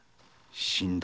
死んだ。